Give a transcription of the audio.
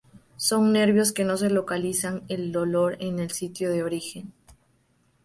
Son nervios que no localizan el dolor en el sitio de origen.